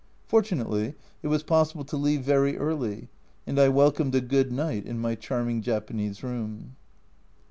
Fortunately it was possible to leave very early, and I welcomed a good night in my charming Japanese room.